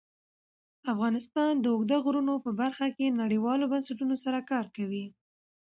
افغانستان د اوږده غرونه په برخه کې نړیوالو بنسټونو سره کار کوي.